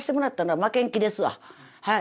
はい。